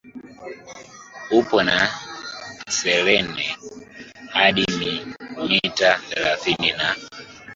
upana na serene hadi mita thelathini na